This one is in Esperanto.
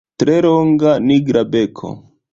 Tre longa, nigra beko.